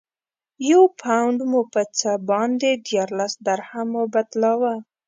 یو پونډ مو په څه باندې دیارلس درهمو بدلاوه.